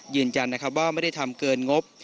ยืนยันว่าไม่ได้ทำเกินงบ